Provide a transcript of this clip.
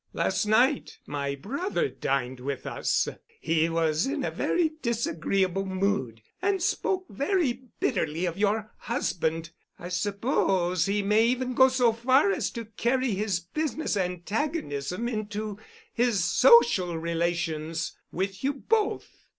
Last night my brother dined with us. He was in a very disagreeable mood—and spoke very bitterly of your husband. I suppose he may even go so far as to carry his business antagonism into his social relations with you both."